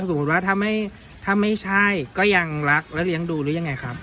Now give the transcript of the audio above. สมมุติว่าถ้าไม่ใช่ก็ยังรักและเลี้ยงดูหรือยังไงครับ